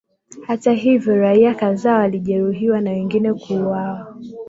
Hata hivyo raia kadhaa walijeruhiwa na wengine kuuawa